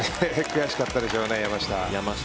悔しかったでしょうね、山下。